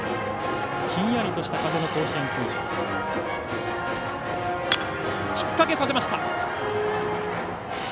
ひんやりとした風の甲子園球場。